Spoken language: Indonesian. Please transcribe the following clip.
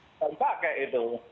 sekali pakai itu